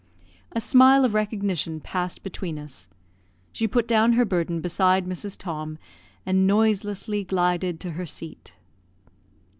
A smile of recognition passed between us. She put down her burden beside Mrs. Tom, and noiselessly glided to her seat.